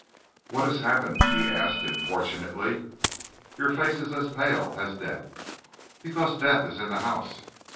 "What has happened?" he asked, importunately. "Your face is as pale as death." "Because death is in the house.